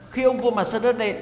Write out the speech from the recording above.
khi ông vua mặt sân đất đệ